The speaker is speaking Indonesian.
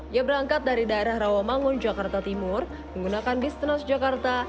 dia berangkat dari daerah rawa mangun jakarta timur menggunakan distance jakarta